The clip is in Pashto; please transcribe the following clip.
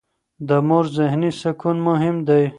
د مور ذهني سکون مهم دی.